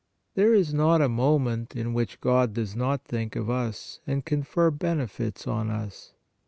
There is not a moment in which God does not think of us and confer benefits on us.